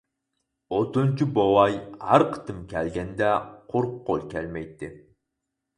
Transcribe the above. ئوتۇنچى بوۋاي ھەر قېتىم كەلگەندە قۇرۇق قول كەلمەيتتى.